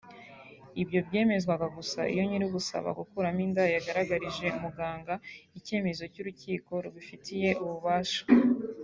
Ibyo byemezwaga gusa iyo nyir’ugusaba gukuramo inda yagaragarije muganga icyemezo cy’urukiko rubifitiye ububasha